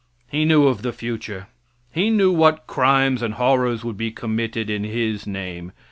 He knew of the future. He knew what crimes and horrors would be committed in His name.